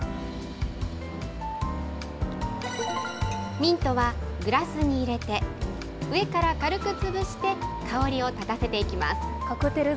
ミントはグラスに入れて、上から軽く潰して香りを立たせていきます。